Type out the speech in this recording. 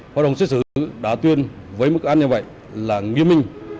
hội đồng xét xử đã tuyên với mức án như vậy là nghiêm minh